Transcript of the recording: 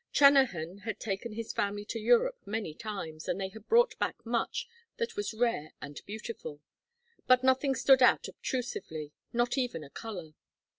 Trennahan had taken his family to Europe many times, and they had brought back much that was rare and beautiful; but nothing stood out obtrusively, not even a color.